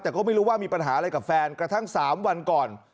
แต่ก็ไม่รู้ว่ามีปัญหาอะไรกับแฟนกระทั่ง๓วันก่อน